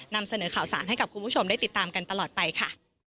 นำเสนอข่าวสารให้กับคุณผู้ชมได้ติดตามกันตลอดไปค่ะ